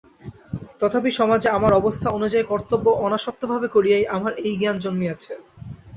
তথাপি সমাজে আমার অবস্থা অনুযায়ী কর্তব্য অনাসক্তভাবে করিয়াই আমার এই জ্ঞান জন্মিয়াছে।